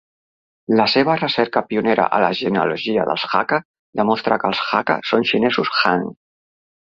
La seva recerca pionera a la genealogia dels Hakka demostra que els Hakka són xinesos Han.